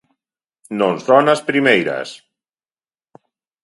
Non só nas primeiras.